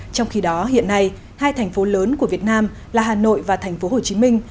trong khi đó hiện nay hai thành phố lớn của việt nam là hà nội và thành phố hồ chí minh